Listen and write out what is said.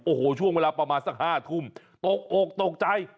โอ้โหช่วงเวลาประมาณสัก๕ทุ่มตกอกตกใจ